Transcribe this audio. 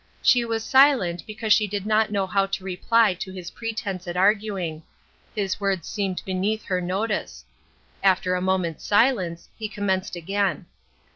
She was silent, because she did not know how to reply to his pretense at arguing. His words seemed beneath her notice. After a moment's silence, he commenced again.